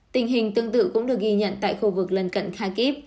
tình hình tương tự cũng được ghi nhận tại khu vực lân cận thakip